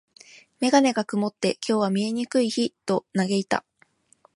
メガネが曇って、「今日は見えにくい日」と嘆いた。